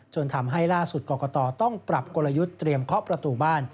ทำให้ล่าสุดกรกตต้องปรับกลยุทธ์เตรียมเคาะประตูบ้าน